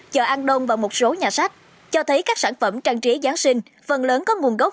chợ an đông và một số nhà sách cho thấy các sản phẩm trang trí giáng sinh phần lớn có nguồn gốc